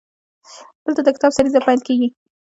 دلته د کتاب سریزه پیل کیږي.